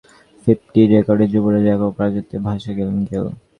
স্বীকৃত টি-টোয়েন্টির দ্রুততম ফিফটির রেকর্ডে যুবরাজের একক রাজত্বে ভাগ বসিয়েছেন গেইল।